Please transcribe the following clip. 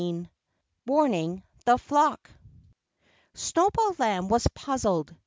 VII WARNING THE FLOCK Snowball Lamb was puzzled.